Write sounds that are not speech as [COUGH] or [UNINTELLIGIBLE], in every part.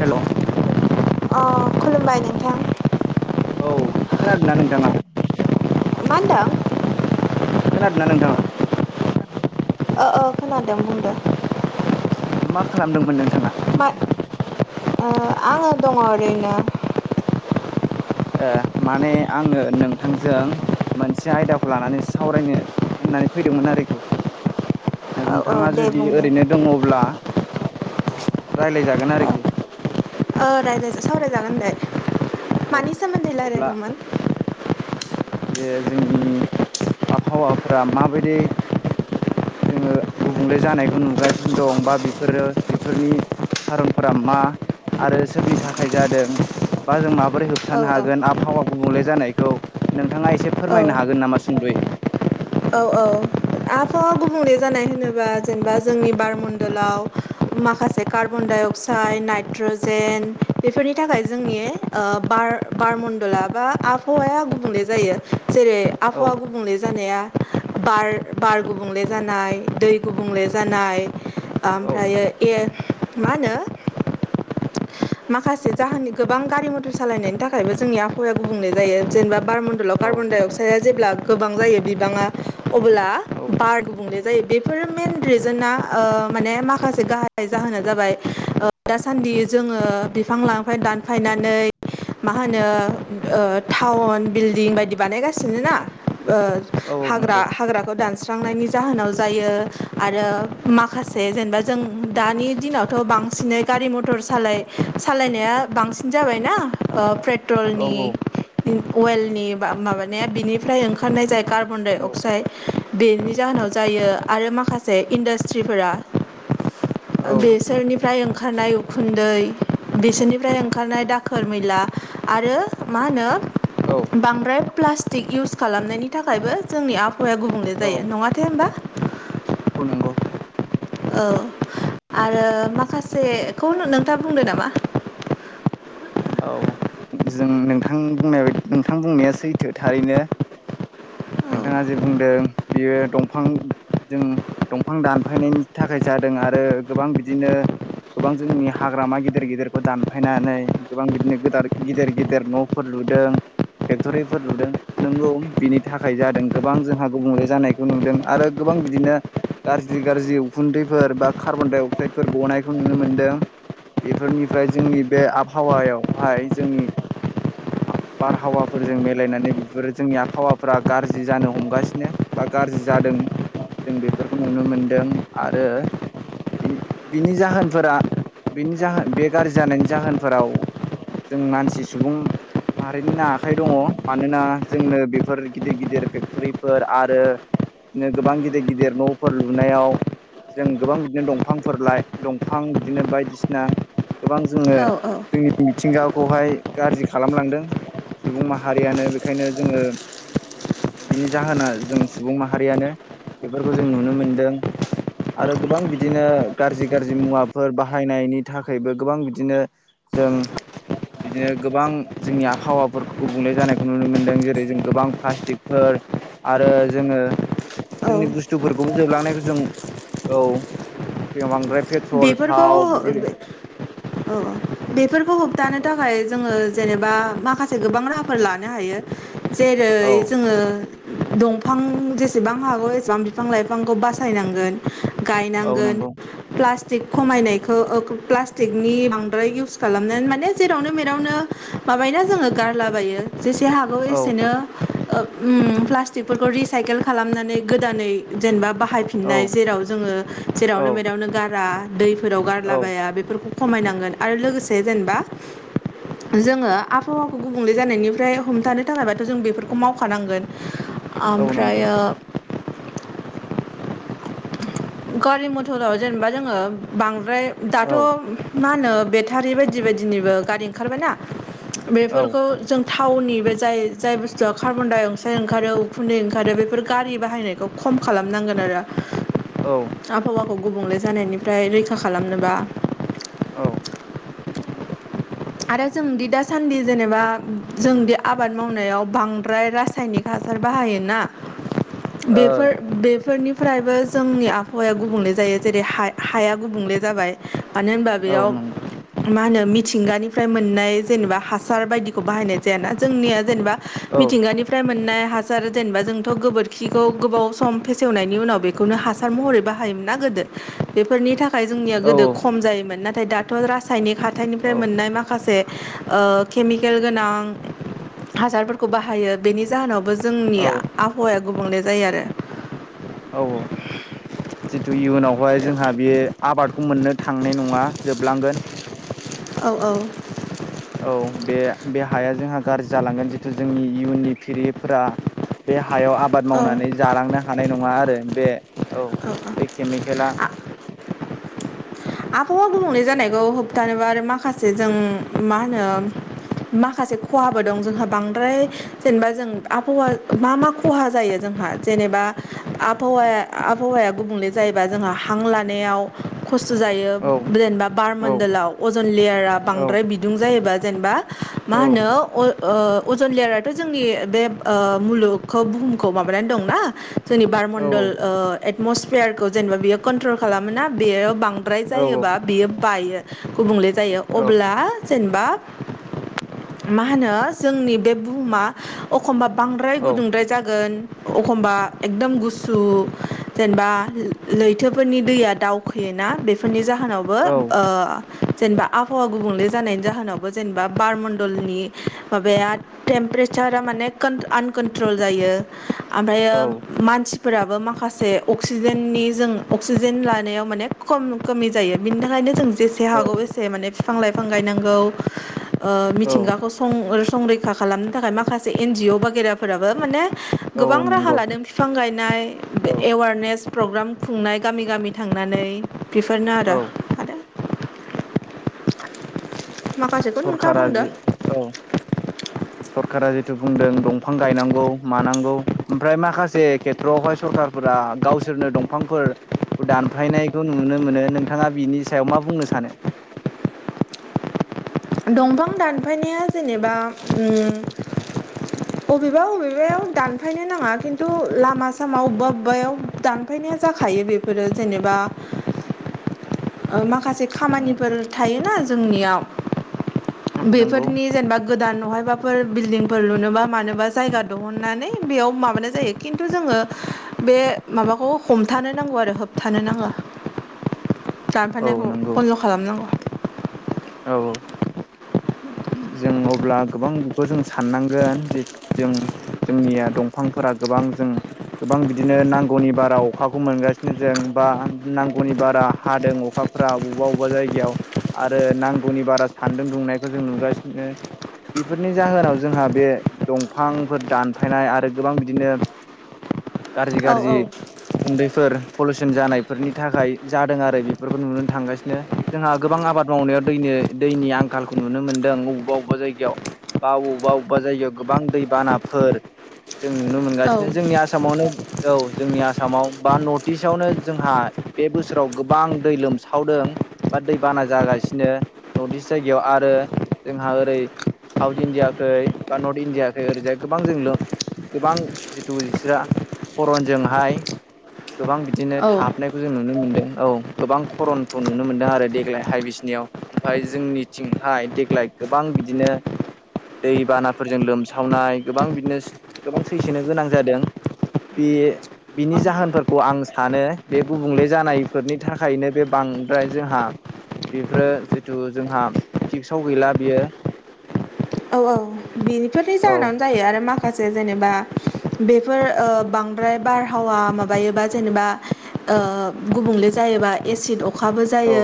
हेल' अ खुलुमबाय नोंथां। औ खोनादों ना नोंथाङा? मा होन्दों? खोनादोंना नोंथाङा? ओ ओ खोनादों बुंदो। मा खालामदोंमोन नोंथाङा ओ आंङो दंङ । [UNINTELLIGIBLE] ओ माने आङो नोंथांजों मोनसे आयदाखौ लानानै सावरायनो होननानै फैदोंमोन आरोखि औ औ नोंथाङा दे जुदि बुं दे ओरैनो दङब्ला राय्लायजागोन आरोखि ओ रायाय सावरायजागोन दे औ मानि सोमोन्दै अब्ला रायज्लायगौमोन जे जोंनि आबहावाफ माबायदि जोङो गुबुंले जानायखौ नुगासिनो दं बा बेफोरो बेफोरनि खारनफोरा मा आरो सोरनि थाखाय जादों बा जों मा बोरै औ होबथानो हागोन औ आबहावा गुबुंले जानायखौ नोंथाङा एसे औ फोरमायनो हागोन नामा सुंदै औ औ आहावा गुबुंले जानाय होनोबा जेनेबा जोंनि बारमडलाव माखासे कार्बन डाइ अक्साइड नाइट्रजेन बेफोरनि थाखाय जोंनि बार बारमडला बा आबहावाया गुबुंले जायो जेरै औ आबहावा गुबुंले जानाया बार बार गुबुंले जानाय दै गुबुंले जानाय औ ओमफ्र ए मा होनो माखासे जाहोननि गोबां गारि मथर सालायनायनि थाखायबो जोंनि आबहावाया गुबुंनाय जायो जेनेबा बार मडलाव औ कार्बन डाइ अक्साइडआ जेब्ला गोबां जायो बिबाङा अब्ला औ बार गुबुंले जायो बेफोर मेन रिजोना ओ माने माखासे गाह जाहोना जाबाय दासान्दि जों बिफां लाांनिफ्राय दानफायनानै मा होनो टाउन बिल्डिं बायदि बानायगासिनो ना ओ औ हाग्रा नंगौ हाग्राखौ दानस स्रांनायनि जाहोनाव जायो आरो माखासे जेनेबा जों दानि दिनावथ' बां सिनै गारि मथर सालाय सालायनाया बांसिन जाबायनाा ओ औ पेट्रलनि औ अवेलनि ब माबानाया बिनिफ्राय ओंखारनाय जाय कार्बन डाइ औ अक्साइड बेनि जाहोनाव जायो आरो माखासे इन्डास्ट्रिफोरा औ बेसोरनिफ्राय ओंखारनाय उखुन्दै बिसोरनिफ्राय ओंखारनाय दाखोर मैला आरो मा होनो औ बांद्राय प्लास्टिक इउस खालामनायनि थाखायबो जोंनि आब हौवाया गुबुंले औ जायो नङाथाये होनोमबा औ नांगौ। औ आरो माखासेखौ नोंथाङा बुंदो नामा [INAUDIBLE] औ जों नोंथांनि बुंनाय नोंथां बुंनाया सैथो थारैनो नोंथाङा जे बुंदों बियो दंफां जों दंफां दानफायनायनि थाखाय दों आरो गोबां बिदिनो गोबां जोंनि हाग्रामा गिदिर गिदिरखौ दानफायनानै गोबां बिदिनोद गिदिर गिदिर नफोर लु फेक्टरिफोर लुदों नोंगौ बिनि थाखाय जादों गोबां जोंहा गुबुंले जानायखौ नुदों आरो गोबां बिदिनो गाज्रि गाज्रि उखुन्दैफोर बा कार्बन दडाइ अक्साइदफोर गनायखौ नुनो मोनदों बेफोरनिफ्राय जोंनि बे आबहावायावहाय जोंनि बारहावाफोरजों मिलायनानै बेफोरो जोंनि आबहावाफोरा गाज्रि जानो हमगासिनो बा गाज्रि जादों जों बेफोरखौ नुनो मोनदों आरो बिनि जाहोनफोरा बिनि जाहोन बे गाज्रि जानायनि जाहोनफोराव जों मानसि सुबुं माहारिनिनो आखाइ दङ मानोना जोंनो बेफोर गिदिर गिदिर फेक्ट'रिफोर आरो बिदिनो गोबां गिदिर गिदिर न'फोर लुनायाव जों गोबां बिदिनो दंफांफोर लाइ दंफां बिदिनो बायदिसिना गोबां जोङो औ औ जोंनि मिथिंगाखौहाय गाज्रि खालामलांदों सुबुं माहारियानो बेखायनो जोङो बिनि जाहोना जों सुबुं माहारियानो बेफोरखौ जों नुनो मोनदों आरो गोबां बिदिनो गाज्रि गाज्रि मुवाफोर बाहायनायनि थाखायबो गोबां बिदिनो जों बिदिनो गोबां जोंनि आबहावाफोरखौ गुबुंले जानायखौ नुनो मोनदों जेरै जों गोबां प्लास्टिकफोर आरो जोङो औ जोंनि बुस्थुफोरखौबो जोबलांनायखौ जों औ बे बांद्राय पेट्रल बेफोरखौ थाव बिदि औ औ बेफोरखौ होबथानो थाखाय जोङो जेनेबा माखासे गोबां राहाफोर लानो हायो जेरै औ जोङो दंफां जेसेबां हागौ एसेबां बिफां लाइफांखौ बासायनांगोन औ गायनांगोन नंगौ प्लास्टिक खमायनायखौ प्लास्टिकनि बांद्राय इउस खालामनानै माने जेरावनो मेरावनो माबायोन जोङो गारलाबायो जेसे हागौ औ एसेनो ओ उम प्लास्टिकफोरखौ रिसाइकेल खालामनानै गोदानै जेनेबा बा औ हायफिननाय जेराव जोङो जेरावनो औ मेरावनो गारा दैफोराव औ गारलाबाया बेफोरखौ खमायनांगोन आरो लोगोसे जेनेबा जोङो आबहावाखौ गुबुंले जानायनिफ्राय हमथानो थाखायबाथ' जों बेफोरखौ मावखानांगोन औ ओमफ्राय नंगौ गारि मथराव जेनेबा जोङो बांद्राय दाथ' औ मा होनो बेटारि बायदि बायदिनिबो गारि ओंखारबायना औ बेफोरखौ जों थावनि बे जाय जाय बुस्थुआ कार्बन डाइ अक्साइड ओंखारो उखुन्दै ओंखारो बेफोर गारि बाहायनायखौ ख‌ खम खालामनांगोन आरो। औ आबहावाखौ गुबुंले जानायनिफ्राय रैखा खालामनोबा आरो जोंदि दासान्दि जेनेबा जोंदि आबाद मावनायाव बांद्राय रासायनिक हा हासार बाहायोना बेफोर औ बेफोरनि फ्रायबो जोंनि आबहावाया गुबुंले जायो जेरै हा-हाया गुबुंले जाबाय मानो होनबा ओ औ बेयाव नंगौ मा होनो मिथिंगानि फ्राय मोननाय जेनेबा हासार बायदिखौ बाहायनाय जाया ना जोंनिया जेनेबा औ मिथिंगानिफ्राय मोन नाय हासार जेनेबा जोंथ' गोबोरखिखौ गोबाव सम फेसेवनायनि उनाव बेखौनो हासार महरै बाहायोमोन ना गोदो बेफोरनि था‌ खाय जोंनिया गोदो औ खम जायोमोन नाथाय दाथ' रासायनिक हाथाइनिफ्राय मोननाय मा खासे ओ केमिकेल गोनां हासारफोरखौ बाहायो बेनि जाहोनावबो जोंनि औ औ आबहावाया गुबुंले जायो आरो। औ औ जिथु औ इयुनावहाय जोंहा बे आबादखौ मोननो थांनाय नङा जोबलांगोन औ औ औ बे बे हाया जोंहा गाज्रि जालांगोन जिथु जोंनि इयुननि फिरिफोरा बे हायाव आबाद औ मावनानै जालांनो हानाय नङा आरो बे औ बे केमिकेला आबहावा गुबुंले जानायखौ होबथानोबा आरो माखासे जों मा होनो माखासे खहाबो दं जोंहा बांद्राय जेनेबा जों आबहावा मा मा ख'हा जायो जों हा जेनेबा आबहावाया आबहावाया गुबुंले जायोबा जोंहा हां लानायाव खस सुजायो औ जेनबा बार औ मन्दोलाव अजन लेयारा औ बांद्राय बिदुं जायोबा जेनेबा मा औ होनो अ ओ अजन लेयाराथ' जोंनि बे ओ मुलुगखौ बुहुमखौ माबानानै दंना जोनि औ बारमणडल ओ एटमसफेयारखौ जेनेबा बियो कन्ट्रल खालामोना बेयो बां द्राय औ जायोबा बियो बायो गुबुंले जायो औ अब्ला जेनबा मा होनो जोंनि बे बुहुमा अखमबा बांद्राय औ गुदुंद्राय जागोन अखमबा एकदम गुसु जेनबा लैथोफोरनि दैया दावखोयोना बेफोरनि जाहोनावबो औ ओ जेनबा आबहावा गुबुंले जानायनि जाहोनावबो जेनेबा बारमण्डलनि माबाया टेम प्रेसारा माने कोन आनकनट्रल जायो आमफ्रायो औ मानसि फोराबो माखासे अक्सिजेननि जों अक्सिजेन लानायाव माने खम खमि जायो बिनि थाखायनो जों जेसे औ हागौ एसे माने बिफां लाइफां गायनांगौ। ओ औ मिथिंगाखौं सं संरैखा खालामनो थाखाय माखासे एन जि अ बागेराफोराबो माने औ गोबां राहा नंगौ लादों बिफां गायनाय औ एवारनेस प्रग्राम खुंनाय गामि गामि थांनानै बेफोरनो आरो औ आरो आरो माखासेखौ नोंथाङा सरखारा बुंदो जि औ सरखारा जिथु बुंदों दं फां गायनांगौ मानांगौ ओमफ्राय माखासे खेथ्रआवहाय सरखारफोरा गावसोरनो दंफांफोर दानफायनायखौ नुनो मोनो नोंथाङा बिनि सायाव मा बुंनो सानो? [INAUDIBLE] दंफां दानफायनाया जेनेबा उम बबेबा बबेबायाव दानफायनो नाङा खिन्थु लामा सामा अबबा अबबायाव दानफाय नाया जाखायो बेफोरो जेनेबा [INAUDIBLE] ओ माखासे खामानिफोर थायोना जोंनियाव नंगौ बेफोरनि जेनेबा गोदान नहायबाफोर बिल्डदिंफोर लुनोबा मानोबा जायगा दहुननानै बेयाव माबानाय जायो खिन्थु जों ङो बे माबाखौ हमथानो नांगौ आरो होबथानो नांङा। [INAUDIBLE] औ दानफनायखौ नंगौ बन्द' खालामनांगौ। औ औ [UNINTELLIGIBLE] जों अब्ला गोबां बेखौ जों साननांगोन जे जों जोंनिया दंफांफोराख गोबां जों गोबां बिदिनो नांगौनि बाराव अखाखौ मोनगासिनो जों बा नांगौनि बारा हादों अखाफोरा अबा अबा जायगायाव आरो नांगौनि बारा सान्दुं दुंनायखौ जों नुगासि नो। बेफोरनि जाहोनाव जोंहा बे दंफांफोर दानफायनाय आरो गोबां बिदिनो। गराजि औ गारजि उखुन्दैफोर पलुस जों जानायफोरनि थाखाय जादों आरो बेफोरखौ नुनो थांगासिनो जोंहा गोबां आबाद मावनायाव दैनो दैनि आंखालखौ नुनो मोनदों अ अबबा अबबा जायगायाव बा अबबा अबबा जायगायाव गोबां दैबानाफोर जों नुनो औ मोनगासिनो जोंनि आसामावनो औ स जोंनि आसामाव बा नथिस्टआवनो जोंहा बे बोसोराव गोबां दै लोमसावदों। दै बाना जागासिनो नर्थ नदिस जायगायाव आरो जोंहा ओरै साउथ इण्डियाखै बा नर्थ इण्डियाखै ओरैजाय गोबां जों लोम गोबां जिथु इस्रोरा खरनजोंहाय गोबां बिदिनो थाहाबनायखौ जों नुनो मोन्दों। औ गोबां खरनखौ नुनो मोनदों आरो देग्लायहाय बिसनियाव ओमफाय जोंनिथिंहाय देग्लाय गोबां बिदिनो दैबानाफोरजों लोमसावनाय गोबां बिदिनो सो गोबां सैसोन गोनां जादों। बे बिनि जाहोनफोरखौ आं सानो बे गुबुंले जानायफोरनि थाखायनो बे बा ओमफ्राय जोंहा बेफोरो जेथु जोंहा फिक्साव गैला बेयो औ औ बेनिफोरनि जाहोनावनो जायो आरो माखासे जेनेबा बेफोर ओ बांद्राय बारहावा माबायोबा जेनेबा ओ गुबुंले जायो। जायोबा एसिड अखाबो औ जायो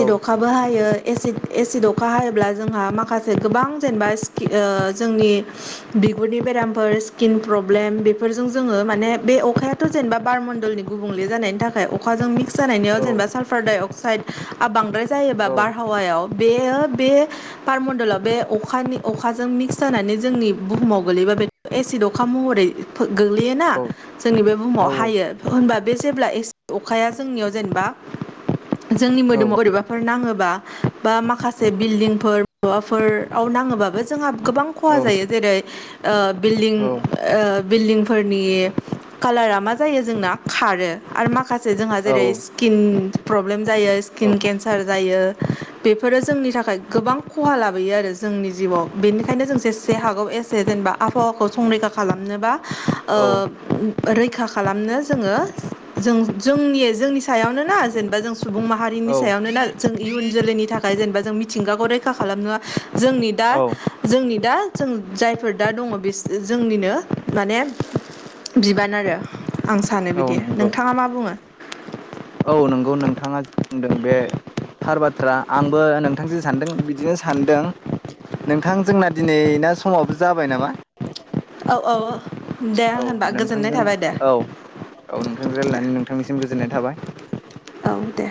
औ अखाबो हायो। एसिड एसिड अखा हायोब्ला जोंहा माखासे गोबां जेनेबा सिक ओ जोंनि बिगुरनि बेरामफोर स्किन प्रब्लेम बेफोर फोरजों जोङो माने बे अखायाथ' जेनेबा बारमन्दलनि गुबुंले जानायनि थाखाय अखाजों मिक्स जानायनिआव औ जेनेबा साल्फार डाइअक्साइडआ बांद्राय जायोबा औ बारहावायाव बेयो बे बारमणडलाव बे अखानि अखाजों मिक्स जानानै जोंनि बुहुमाव गोलैबा बे एसिड अखा महरै गोग्लैयोना औ जोंनि बे बुहुमाव औ हायो होनबा बे जेब्ला एसिट अखाया जोंनिआव जेनेबा जोंनि मोदोमाव बोरैबाफोर नाङो बा बा माखासे बिल्डिंफोर माबाफोराव नाङोबाबो जोंहा गोबां खहा औ जायो जेरै ओ बिल्डिं औ औ ओ बिल्दिं फोरनि कालारा मा जायो जोंना खारो आरो माखा से जोंहा औ जेरै स्किन प्रब्लेम जायो स्किन केन्सार जायो बेफोरो जोंनि थाखाय गोबां खहा लाब बोयो आरो जोंनि जिउआव बेनिखायनो जों जेसे हागौ एसे जेनेबा आबहावाखौ संरैखा खालामनोबा औ ओ रैखा खालामनो जोङो जों जोंनि जोंनि सायावनो ना जेनेबा जों सुबुं माहारिनि औ सायावनो ना जों इयुन जोलैनि थाखाय जेनेबा जों मिथिंगाखौ रैखा खालामना जोंनि दा औ जोंनि दा जों जायफोर दा दङ बिस जोंनिनो माने बिबान आरो आं सानो औ बिदि नंगौ नोंथाङा मा बुङो औ नंगौ नोंथाङा बुंदों बे थार बाथ्रा आंबो नोंथां जे सानदों बिदिनो सान्दों नोंथां जोंना दिनै ना समावबो जाबाय नामा औ औ दे आं औ होनबा गोजोननाय नोंथांजों थाबाय दे औ औ नोंथांजों राय्लायनानै नोंथांनिसिम गोजोननाय थाबाय औ दे